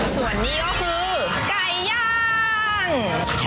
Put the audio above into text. ส่วนนี้ก็คือไก่ย่าง